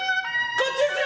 こっちですよ！